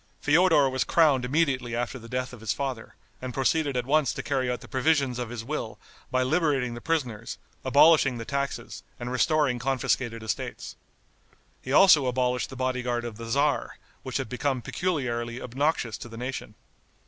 Feodor was crowned immediately after the death of his father, and proceeded at once to carry out the provisions of his will by liberating the prisoners, abolishing the taxes and restoring confiscated estates. He also abolished the body guard of the tzar, which had become peculiarly obnoxious to the nation.